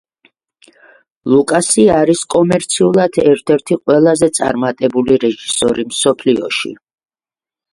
ლუკასი არის კომერციულად ერთ-ერთი ყველაზე წარმატებული რეჟისორი მსოფლიოში.